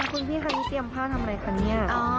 คุณพี่คะที่เตรียมผ้าทำไรคะนี้